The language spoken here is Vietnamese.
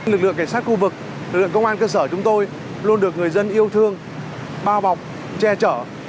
lực lượng cảnh sát khu vực lực lượng công an cơ sở chúng tôi luôn được người dân yêu thương bao bọc che chở